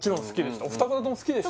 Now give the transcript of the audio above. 好きです